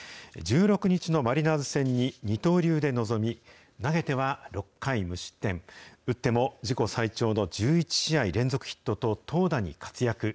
１６日のマリナーズ戦に二刀流で臨み、投げては６回無失点、打っても自己最長の１１試合連続ヒットと、投打に活躍。